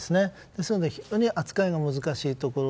ですので非常に扱いが難しいところ。